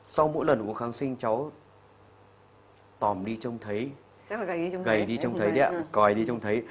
sau mỗi lần uống kháng sinh cháu tòm đi trông thấy